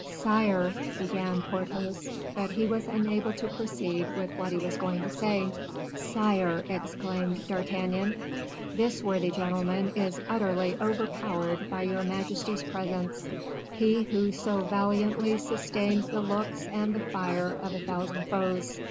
"Sire " began Porthos, but he was unable to proceed with what he was going to say. "Sire," exclaimed D'Artagnan, "this worthy gentleman is utterly overpowered by your majesty's presence, he who so valiantly sustained the looks and the fire of a thousand foes.